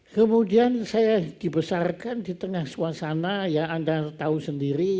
kemudian saya dibesarkan di tengah suasana ya anda tahu sendiri